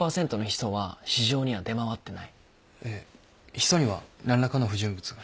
ヒ素には何らかの不純物が。